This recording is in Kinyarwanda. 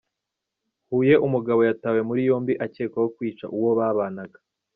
Huye Umugabo yatawe muri yombi akekwaho kwica uwo babanaga